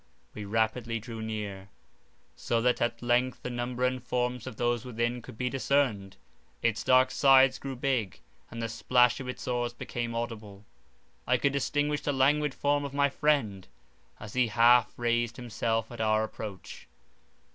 We rapidly drew near, so that at length the number and forms of those within could be discerned; its dark sides grew big, and the splash of its oars became audible: I could distinguish the languid form of my friend, as he half raised himself at our approach.